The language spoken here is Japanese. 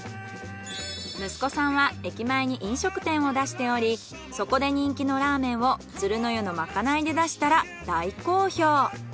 息子さんは駅前に飲食店を出しておりそこで人気のラーメンを鶴の湯のまかないで出したら大好評。